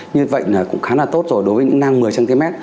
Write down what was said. như vậy là cũng khá là tốt rồi đối với những nang một mươi cm